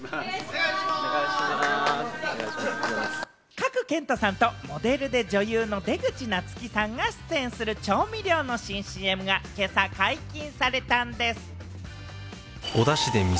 賀来賢人さんとモデルで女優の出口夏希さんが出演する調味料の新ＣＭが今朝、解禁されたんでぃす。